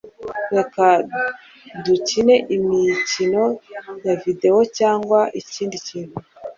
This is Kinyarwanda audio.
Reka tukine imikino ya videwo cyangwa ikindi kintu.